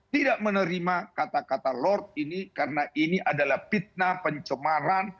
tidak menerima kata kata lord ini karena ini adalah fitnah pencemaran